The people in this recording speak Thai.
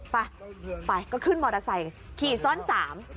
ไปไปก็ขึ้นมอเตอร์ไซค์ขี่ซ้อนสาม